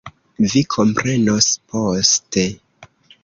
Vi komprenos poste.